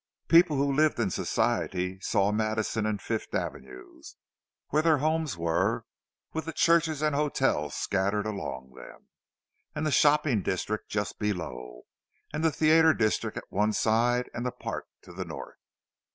People who lived in Society saw Madison and Fifth Avenues, where their homes were, with the churches and hotels scattered along them; and the shopping district just below, and the theatre district at one side, and the park to the north.